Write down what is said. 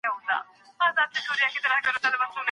خلګو سياسي پوهاوی ترلاسه کړ او ويښ سول.